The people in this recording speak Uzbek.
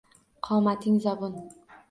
Qomating zabun?